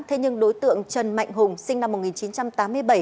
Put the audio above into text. thế nhưng đối tượng trần mạnh hùng sinh năm một nghìn chín trăm tám mươi bảy